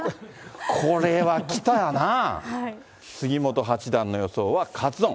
これは来たらなぁ、杉本八段の予想はカツ丼。